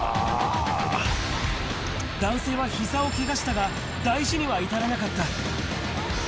男性はひざをけがしたが、大事には至らなかった。